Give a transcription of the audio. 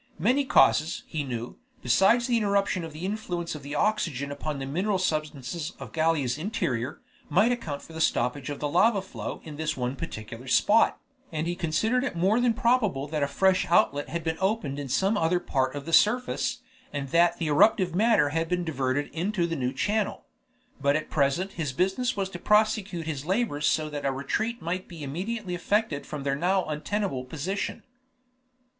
Many causes, he knew, besides the interruption of the influence of the oxygen upon the mineral substances in Gallia's interior, might account for the stoppage of the lava flow in this one particular spot, and he considered it more than probable that a fresh outlet had been opened in some other part of the surface, and that the eruptive matter had been diverted into the new channel. But at present his business was to prosecute his labors so that a retreat might be immediately effected from their now untenable position.